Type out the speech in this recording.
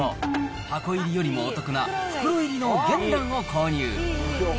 箱入りよりもお得な袋入りの原卵を購入。